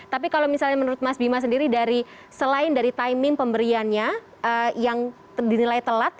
tapi kalau misalnya menurut mas bima sendiri dari selain dari timing pemberiannya yang dinilai telat